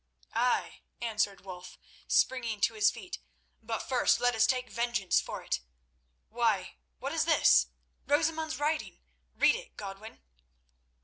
"Ay," answered Wulf, springing to his feet, "but first let us take vengeance for it. Why, what is this? Rosamund's writing! Read it, Godwin."